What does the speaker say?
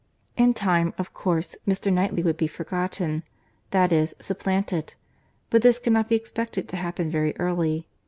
In time, of course, Mr. Knightley would be forgotten, that is, supplanted; but this could not be expected to happen very early.